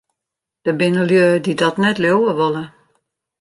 Der binne lju dy't dat net leauwe wolle.